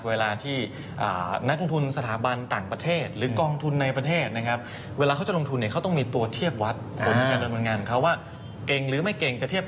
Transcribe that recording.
เอาเทียบกับตลาดหุ้นไทยนั่นแหละดัชนีนั่นแหละครับ